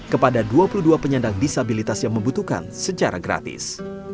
kepada dua puluh dua penyandang disabilitas yang membutuhkan secara gratis